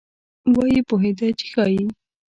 وایي پوهېده چې ښایي.